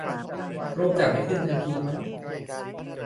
รูปจะไม่ขึ้นทันทีมั้ง